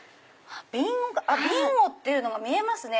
「ＢＩＮＧＯ」っていうのが見えますね